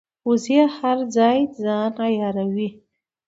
وزې هر ځای ځان عیاروي